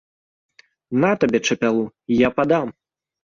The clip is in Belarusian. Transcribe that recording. На табе чапялу, я падам!